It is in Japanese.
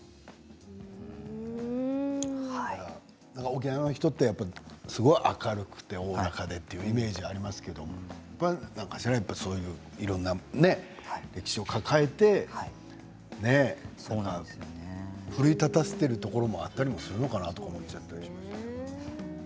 沖縄の人ってすごい明るくておおらかでというイメージがありますけど何かしら、いろんなね歴史を抱えて奮い立たせているところもあったりもするのかなと思っちゃったりして。